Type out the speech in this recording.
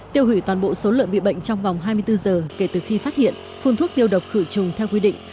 tiêu hủy toàn bộ số lợn bị bệnh trong vòng hai mươi bốn giờ kể từ khi phát hiện phun thuốc tiêu độc khử trùng theo quy định